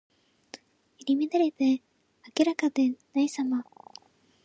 入り乱れて明らかでないさま。